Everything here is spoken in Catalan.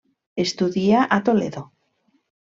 Estudia a Toledo.